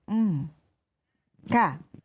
อืมค่ะ